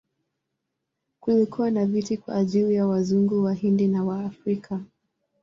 Kulikuwa na viti kwa ajili ya Wazungu, Wahindi na Waafrika.